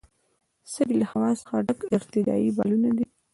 سږي له هوا څخه ډک ارتجاعي بالونونه دي.